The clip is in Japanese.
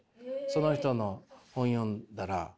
その人の本読んだらああ。